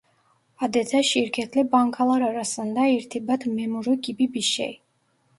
Adeta şirketle bankalar arasında irtibat memuru gibi bir şey…